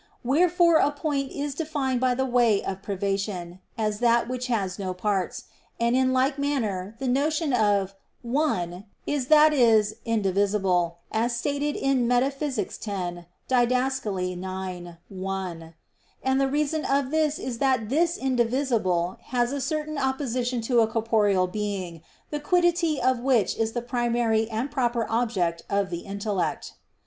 Wherefore a point is defined by way of privation "as that which has no parts"; and in like manner the notion of "one" is that is "indivisible," as stated in Metaph. x, Did. ix, 1. And the reason of this is that this indivisible has a certain opposition to a corporeal being, the quiddity of which is the primary and proper object of the intellect.